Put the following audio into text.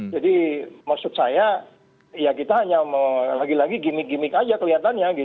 jadi maksud saya ya kita hanya lagi lagi gimmick gimmick aja kelihatannya